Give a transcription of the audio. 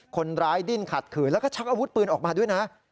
ดิ้นขัดขืนแล้วก็ชักอาวุธปืนออกมาด้วยนะ